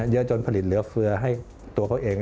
เยอะจนผลิตเหลือเฟือให้ตัวเขาเอง